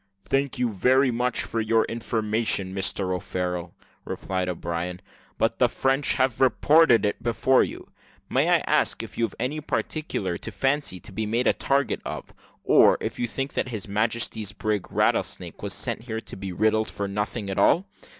"Thank you very much for your information, Mr O'Farrel," replied O'Brien; "but the French have reported it before you. May I ask if you've any particular fancy to be made a target of, or if you think that His Majesty's brig Rattlesnake was sent here to be riddled for nothing at all?